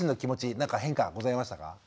何か変化はございましたか？